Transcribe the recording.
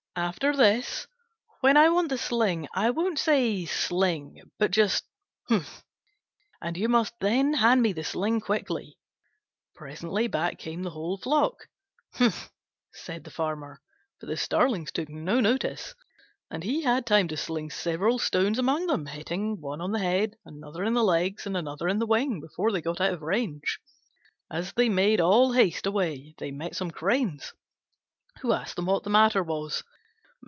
After this, when I want the sling, I won't say 'sling,' but just 'humph!' and you must then hand me the sling quickly." Presently back came the whole flock. "Humph!" said the Farmer; but the starlings took no notice, and he had time to sling several stones among them, hitting one on the head, another in the legs, and another in the wing, before they got out of range. As they made all haste away they met some cranes, who asked them what the matter was.